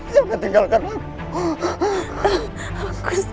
jangan tinggalkan aku